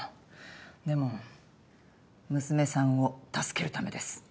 でも娘さんを助けるためです。